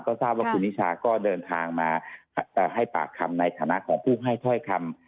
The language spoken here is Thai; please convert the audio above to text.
ก็ทราบว่าคุณนิชาก็เดินทางมาให้ปากคำในฐานะของผู้ให้ถ้อยคำ